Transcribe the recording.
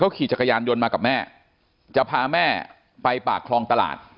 ขี่จักรยานยนต์มากับแม่จะพาแม่ไปปากคลองตลาด